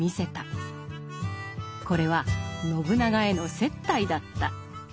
これは信長への接待だった。